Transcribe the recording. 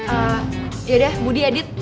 eh ya udah budi edit